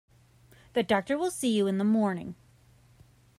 The doctor will see you in the morning.